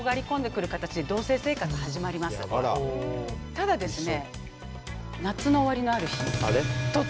ただですね